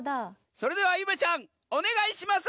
それではゆめちゃんおねがいします！